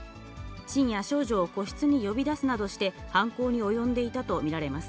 深夜、少女を個室に呼び出すなどして犯行に及んでいたと見られます。